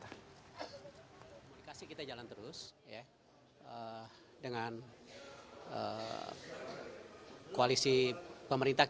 komunikasi kita jalan terus ya dengan koalisi pemerintah kita